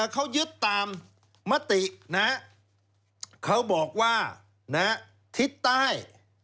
เขายึดตามมตินะเขาบอกว่าทิศใต้